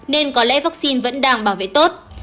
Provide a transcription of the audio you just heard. nên có lẽ vaccine vẫn đang bảo vệ tốt